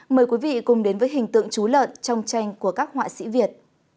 mời quý vị cùng đến với hình tượng chú lợn trong tranh của các họa sĩ việt